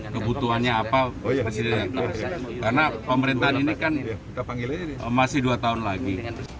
kebutuhannya apa karena pemerintahan ini kan masih dua tahun lagi